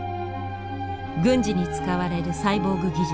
軍事に使われるサイボーグ技術。